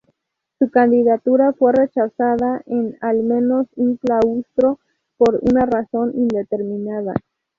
Su candidatura fue rechazada en al menos un claustro, por una razón indeterminada.